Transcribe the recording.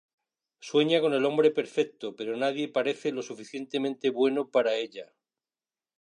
Sueña con el hombre perfecto, pero nadie parece lo suficientemente bueno para ella.